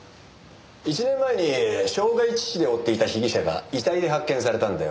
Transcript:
１年前に傷害致死で追っていた被疑者が遺体で発見されたんだよ。